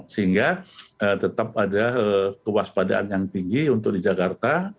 sehingga tetap ada kewaspadaan yang tinggi untuk di jakarta